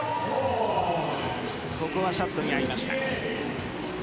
ここはシャットにあいました。